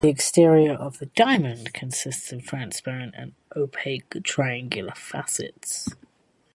The exterior of the "diamond" consists of transparent and opaque triangular facets.